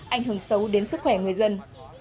ảnh hưởng xấu đến sức khỏe người dân